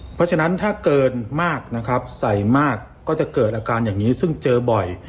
เพราะฉะนั้นถ้าเกินมากนะครับใส่มากก็จะเกิดอาการอย่างนี้ซึ่งเจอบ่อย